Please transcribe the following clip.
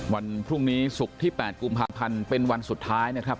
วันพรุ่งนี้ศุกร์ที่๘กุมภาพันธ์เป็นวันสุดท้ายนะครับ